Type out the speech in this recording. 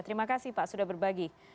terima kasih pak sudah berbagi